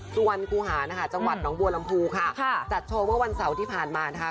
สุวรรณคูหานะคะจังหวัดน้องบัวลำพูค่ะจัดโชว์เมื่อวันเสาร์ที่ผ่านมานะคะ